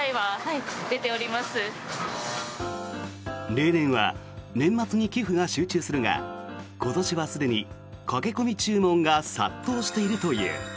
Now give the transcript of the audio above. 例年は年末に寄付が集中するが今年はすでに駆け込み注文が殺到しているという。